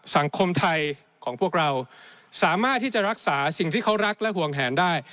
สังคมไทยของพวกเราสามารถที่จะรักษาสิ่งที่เขารักและห่วงแหนได้